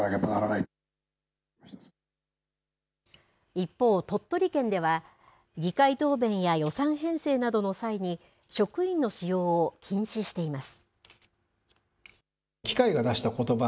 一方、鳥取県では、議会答弁や予算編成などの際に、職員の使用を禁止しています。